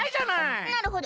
なるほど。